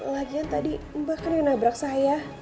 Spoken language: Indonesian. lagian tadi mbah kan yang nabrak saya